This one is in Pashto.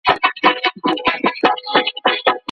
که د ننوتلو لاري پراخې سي، نو موټرې په صف کي نه ځنډیږي.